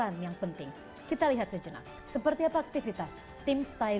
dan jurnalisme yang berdiri